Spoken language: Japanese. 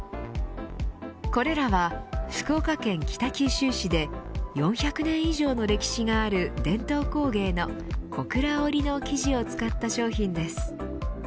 これらは福岡県北九州市で４００年以上の歴史がある伝統工芸の小倉織の生地を使った商品です。